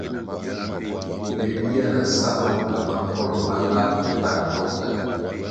Ywe ywia na sa mawula ma nkolo malal pe pan dokta.